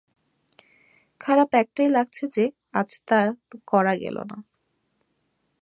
খারাপ এটাই লাগছে যে, আজ তা করা গেলো না।